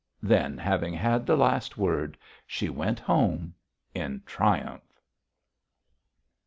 Then, having had the last word, she went home in triumph.